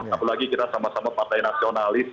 apalagi kita sama sama partai nasionalis